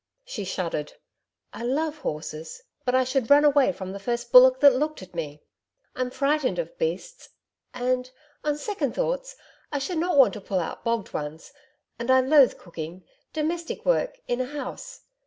She shuddered. 'I love horses, but I should run away from the first bullock that looked at me. I'm frightened of beasts, and, on second thoughts, I should not want to pull out bogged ones. And I loathe cooking domestic work in a house.